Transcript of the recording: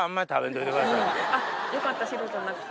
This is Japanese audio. よかった白じゃなくて。